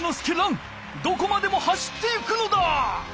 どこまでも走っていくのだ！